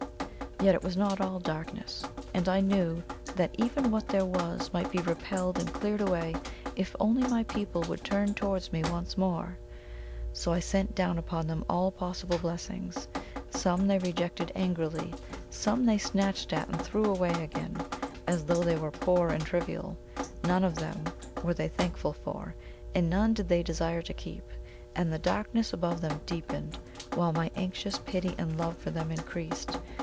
Yet it was not all darkness, and I knew that even what there was might be repelled and cleared away if only my people would turn towards me once more. So I sent down upon them all possible blessings some they rejected angrily, some they snatched at and threw away again, as though they were poor and trivial none of them were they thankful for, and none did they desire to keep. And the darkness above them deepened, while my anxious pity and love for them increased.